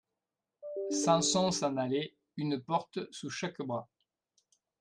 Samson s'en allait, une porte sous chaque bras.